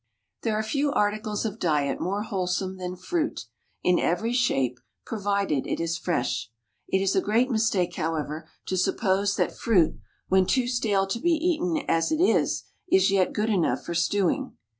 There are few articles of diet more wholesome than fruit, in every shape, provided it is fresh. It is a great mistake, however, to suppose that fruit, when too stale to be eaten as it is, is yet good enough for stewing.